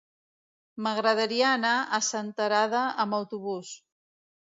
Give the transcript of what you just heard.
M'agradaria anar a Senterada amb autobús.